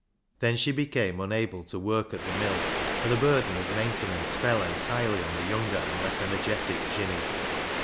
Then she became unable to work at the mill, and the burden of maintenance fell entirely on the younger and less energetic Jinny.